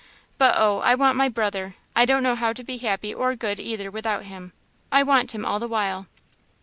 But oh! I want my brother; I don't know how to be happy or good either without him. I want him all the while."